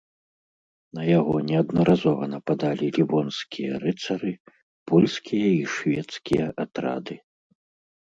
На яго неаднаразова нападалі лівонскія рыцары, польскія і шведскія атрады.